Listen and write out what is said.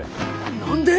何で？